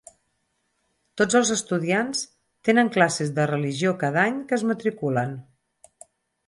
Tots els estudiants tenen classes de religió cada any que es matriculen.